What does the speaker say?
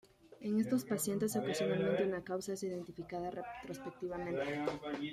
En estos pacientes, ocasionalmente una causa es identificada retrospectivamente.